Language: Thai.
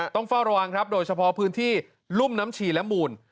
ต้องเฝ้าระวังครับโดยเฉพาะพื้นที่รุ่มน้ำชีและมูล